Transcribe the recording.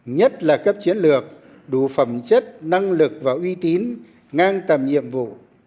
nhất là cấp chiến lược đủ phẩm chất năng lực và uy tín ngang tầm nhiệm vụ